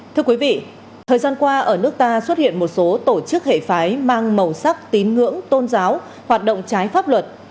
thưa quý vị thời gian qua ở nước ta xuất hiện một số tổ chức hệ phái mang màu sắc tín ngưỡng tôn giáo hoạt động trái pháp luật